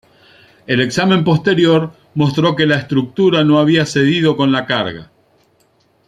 El examen posterior mostró que la estructura no había cedido con la carga.